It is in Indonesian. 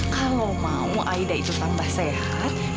kalau mau aida itu tambah sehat kita mau ke kota besar